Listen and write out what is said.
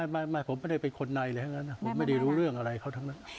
ไม่ว่าผมไม่ได้เป็นคนน้ายอะไรแหละเนาะผมไม่ได้รู้เรื่องอะไรเขาทั้งนั้น